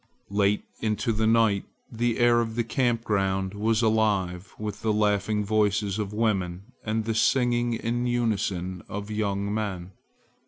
Late into the night the air of the camp ground was alive with the laughing voices of women and the singing in unison of young men.